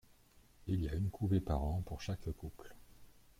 Il y a une couvée par an pour chaque couple.